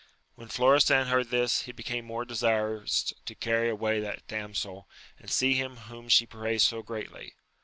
When Florestan heard this, he became more desirous to carry away that damsel, and see him whom she praised so greatly.